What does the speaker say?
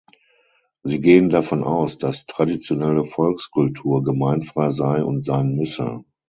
Sie gehen davon aus, dass traditionelle Volkskultur gemeinfrei sei und sein müsse.